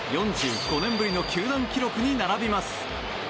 ４５年ぶりの球団記録に並びます。